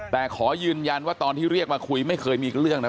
แต่ขอยืนยันว่าตอนที่เรียกมาคุยไม่เคยมีเรื่องนะ